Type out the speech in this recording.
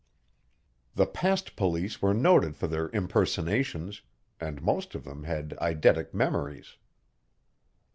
The Past Police were noted for their impersonations, and most of them had eidetic memories.